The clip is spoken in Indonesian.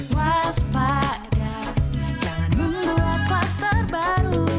waspada jangan membuat klaster baru